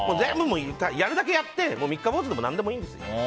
やるだけやって三日坊主でも何でもいいんですよ。